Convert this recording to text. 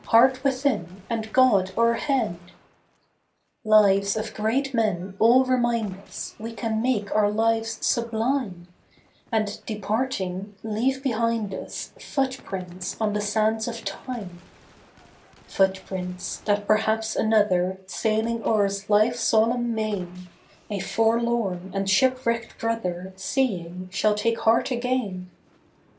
Heart within, and God o'erhead ! A PSALM OF LIFE. Lives of great men all remind us We can make our lives sublime, And, departing, leave behind us Footsteps on the sands of time ; Footsteps, that perhaps another, Sailing o'er life's solemn main, A forlorn and shipwrecked brother, Seeing, shall take heart again.